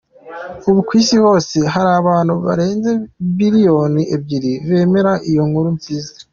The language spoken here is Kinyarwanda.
Ubu kwisi hose hari abantu barenze billion ebyiri bemera iyo Nkuru Nziza.